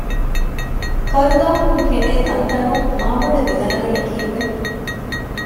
ކަރުދާހުން ކެނޑޭ ތަންތަނުން މާބޮޑަށް ދިލަނަގަނީ ކީއްވެ؟